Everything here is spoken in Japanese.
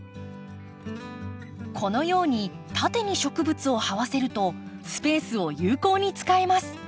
このように縦に植物を這わせるとスペースを有効に使えます。